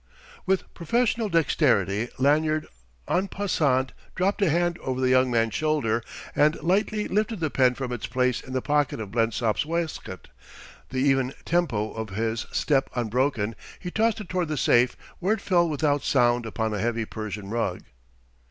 With professional dexterity Lanyard en passant dropped a hand over the young man's shoulder and lightly lifted the pen from its place in the pocket of Blensop's waistcoat; the even tempo of his step unbroken, he tossed it toward the safe, where it fell without sound upon a heavy Persian rug.